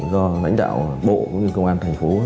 do lãnh đạo bộ cũng như công an thành phố